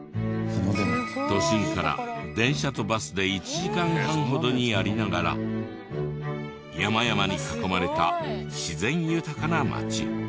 都心から電車とバスで１時間半ほどにありながら山々に囲まれた自然豊かな町。